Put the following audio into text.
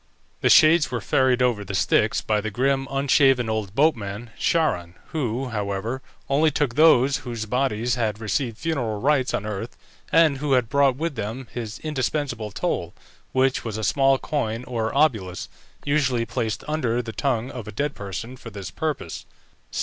The shades were ferried over the Styx by the grim, unshaven old boatman Charon, who, however, only took those whose bodies had received funereal rites on earth, and who had brought with them his indispensable toll, which was a small coin or obolus, usually placed under the tongue of a dead person for this purpose.